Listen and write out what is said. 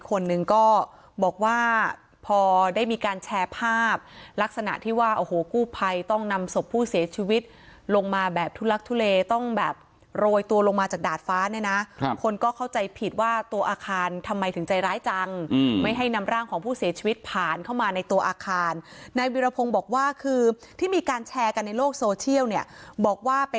คนหนึ่งก็บอกว่าพอได้มีการแชร์ภาพลักษณะที่ว่าโอ้โหกู้ภัยต้องนำศพผู้เสียชีวิตลงมาแบบทุลักทุเลต้องแบบโรยตัวลงมาจากดาดฟ้าเนี่ยนะคนก็เข้าใจผิดว่าตัวอาคารทำไมถึงใจร้ายจังไม่ให้นำร่างของผู้เสียชีวิตผ่านเข้ามาในตัวอาคารนายวิรพงศ์บอกว่าคือที่มีการแชร์กันในโลกโซเชียลเนี่ยบอกว่าไป